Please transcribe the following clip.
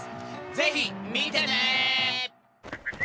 ぜひ見てね！